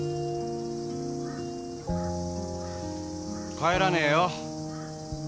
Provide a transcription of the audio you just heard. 帰らねえよ。